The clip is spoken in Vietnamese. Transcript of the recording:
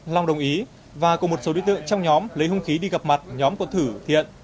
long đồng ý và cùng một số đối tượng trong nhóm lấy hung khí đi gặp mặt nhóm của thử thiện